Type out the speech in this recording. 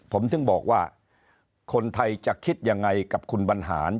ผมถึงบอกว่าคนไทยจะคิดยังไงกับคุณบรรหาร